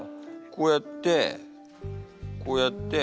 こうやってこうやって。